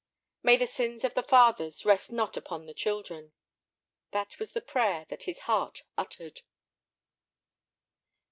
"May the sins of the fathers rest not upon the children." That was the prayer that his heart uttered.